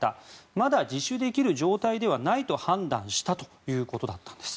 まだ自首できる状態ではないと判断したということです。